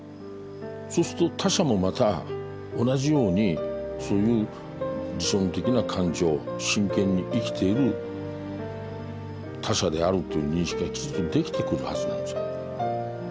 そうすると他者もまた同じようにそういう自尊的な感情真剣に生きている他者であるという認識ができてくるはずなんですよ。